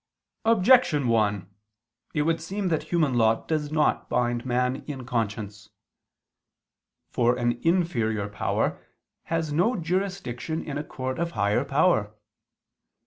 Objection 1: It would seem that human law does not bind man in conscience. For an inferior power has no jurisdiction in a court of higher power.